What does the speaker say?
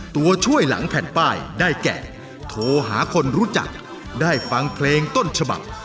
ตัวช่วยหลังแผ่นป้ายได้แก่โทรหาคนรู้จักได้ฟังเพลงต้นฉบับ